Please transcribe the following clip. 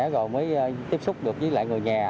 rồi mới tiếp xúc được với lại người nhà